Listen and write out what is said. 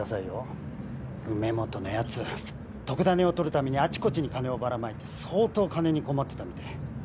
梅本の奴特ダネをとるためにあちこちに金をばらまいて相当金に困ってたみたい。